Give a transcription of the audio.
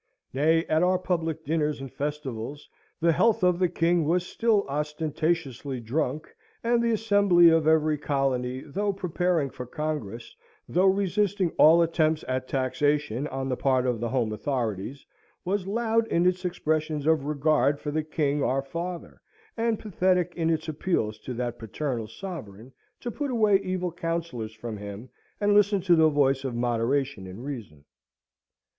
Nay, at our public dinners and festivals, the health of the King was still ostentatiously drunk; and the assembly of every colony, though preparing for Congress, though resisting all attempts at taxation on the part of the home authorities, was loud in its expressions of regard for the King our Father, and pathetic in its appeals to that paternal sovereign to put away evil counsellors from him, and listen to the voice of moderation and reason.